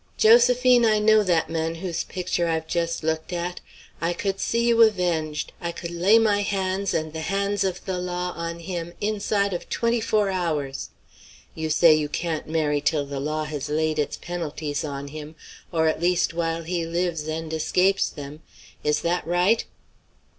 Josephine, I know that man whose picture I've just looked at. I could see you avenged. I could lay my hands, and the hands of the law, on him inside of twenty four hours. You say you can't marry till the law has laid its penalties on him, or at least while he lives and escapes them. Is that right?"